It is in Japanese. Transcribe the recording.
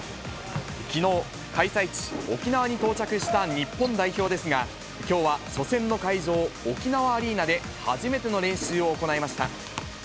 きのう、開催地、沖縄に到着した日本代表ですが、きょうは初戦の会場、沖縄アリーナで初めての練習を行いました。